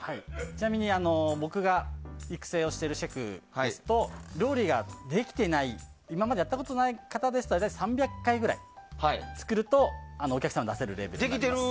ちなみに僕が育成をしているシェフですと料理ができてない今までやったことない方でしたら大体３００回ぐらい作るとお客さんに出せるレベルになります。